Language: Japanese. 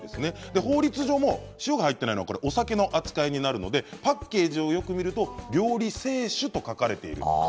法律上も塩が入っていないのはお酒の扱いになるのでパッケージをよく見ると料理清酒と書かれています。